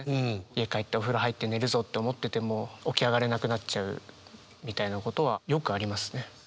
家帰ってお風呂入って寝るぞって思ってても起き上がれなくなっちゃうみたいなことはよくありますね。